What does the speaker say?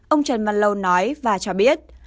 ông trần văn lâu nói và cho biết